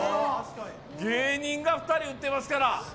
芸人が２人打ってますから。